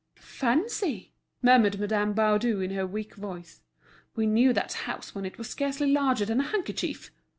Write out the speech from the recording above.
"Fancy," murmured Madame Baudu in her weak voice, "we knew that house when it was scarcely larger than a handkerchief!